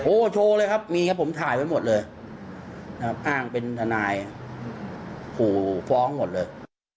โอ้โหโชว์เลยครับมีครับผมถ่ายไว้หมดเลยนะครับอ้างเป็นทนายขู่ฟ้องหมดเลย